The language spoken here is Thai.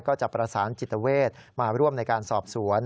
ก็จะประสานจิตเวทมาร่วมในการสอบสวน